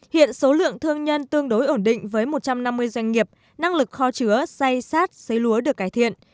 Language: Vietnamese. hiện số lượng thương nhân tương đối ổn định với một trăm năm mươi doanh nghiệp năng lực kho chứa dây sát xây lúa được cải thiện